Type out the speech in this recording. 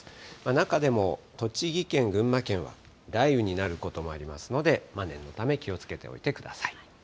中でも栃木県、群馬県は雷雨になることもありますので、念のため、気をつけておいてください。